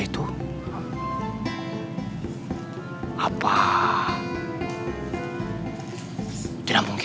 aku baka di perga